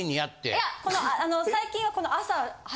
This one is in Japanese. いやあの最近はこの。